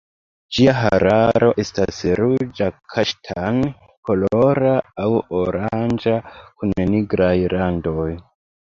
Ĝia hararo estas ruĝa kaŝtan-kolora aŭ oranĝa kun nigraj randoj.